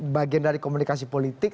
bagian dari komunikasi politik